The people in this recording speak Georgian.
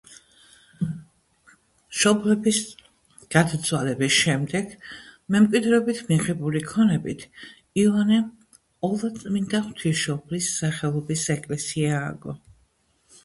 მშობლების გარდაცვალების შემდეგ მემკვიდრეობით მიღებული ქონებით იოანემ ყოვლადწმიდა ღვთისმშობლის სახელობის ეკლესია ააგო.